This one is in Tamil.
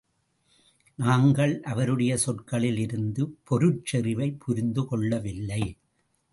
நாங்கள் அவருடைய சொற்களில் இருந்த பொருட்செறிவைப் புரிந்து கொள்ளவில்லை.